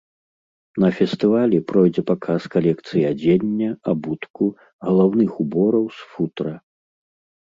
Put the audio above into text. На фестывалі пройдзе паказ калекцый адзення, абутку, галаўных убораў з футра.